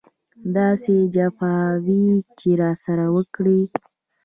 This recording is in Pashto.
داسې جفاوې یې راسره وکړې.